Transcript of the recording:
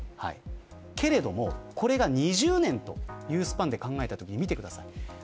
けれども、これが２０年というスパンで考えたときに見てください。